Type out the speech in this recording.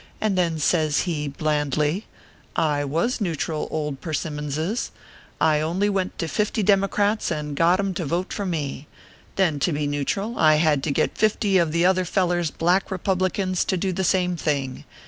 and then says he, blandly :" I was neutral, old Persimmonses. I only went to fifty Democrats, and got em to vote for me. Then to be neutral, I had to get fifty of the other feller s Black Kepublicans to do the same thing.